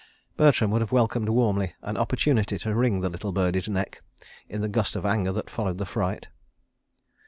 Bertram would have welcomed warmly an opportunity to wring little birdie's neck, in the gust of anger that followed the fright.